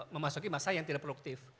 memasuki masa yang tidak produktif